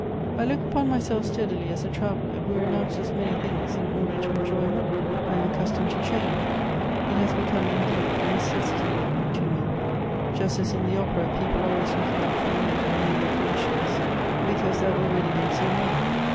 I look upon my self steadily as a traveller, who renounces many things in order to enjoy more. I am accustomed to change ; it has become, indeed, a necessity to me ; just as in the opera, people are always looking out for new and new decorations, because there have already been so many.